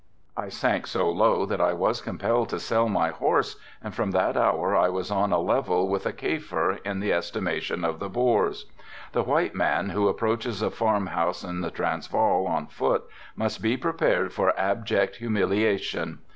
I sank so low that I was compelled to sell my horse and from that hour I was on a level with a Kaffir in the estimation of the Boers. The white man who approaches a farmhouse in the Transval on foot must be prepared for abject humiliation.